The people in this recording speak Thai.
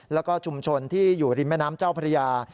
แล้วก็ชุมชนที่อยู่ริมแม่น้ำเจ้าพระยา